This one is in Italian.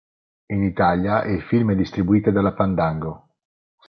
In Italia il film è distribuito dalla Fandango.